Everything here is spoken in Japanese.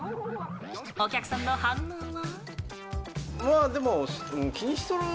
お客さんの反応は。